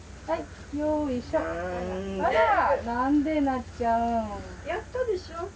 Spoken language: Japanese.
はいよいしょ。